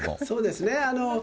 そうですね。